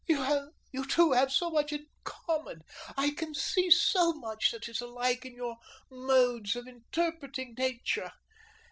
You two have much in common. I can see so much that is alike in your modes of interpreting nature.